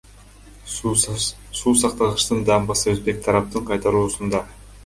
Суу сактагычтын дамбасы өзбек тараптын кайтаруусунда.